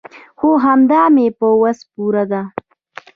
خو همدا مې په وس پوره ده.